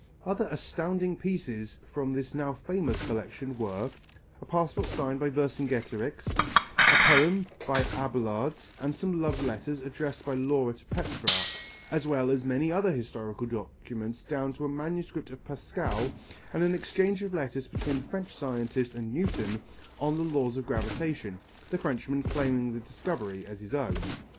Other astounding pieces of this now famous collection were: a passport signed by Vercingetorix, a poem of Abelard and some love letters addressed by Laura to Petrarch, as well as many other historical documents down to a manuscript of Pascal and an exchange of letters between the French scientist and Newton on the laws of gravitation, the Frenchman claiming the discovery as his own.